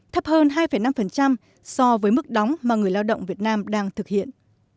thấp hơn hai năm so với mức đóng mà người lao động việt nam đang thực hiện